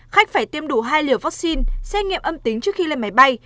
khách phải tiêm đủ hai liều vaccine xét nghiệm âm tính trước khi lên máy bay